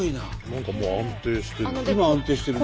何かもう安定してる。